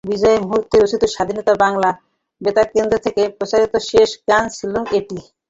বিজয়ের মুহূর্তে রচিত স্বাধীন বাংলা বেতারকেন্দ্র থেকে প্রচারিত শেষ গান ছিল এটি।